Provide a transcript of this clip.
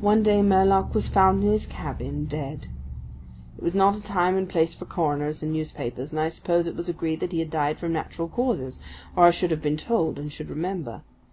One day Murlock was found in his cabin, dead. It was not a time and place for coroners and newspapers, and I suppose it was agreed that he had died from natural causes or I should have been told, and should remember.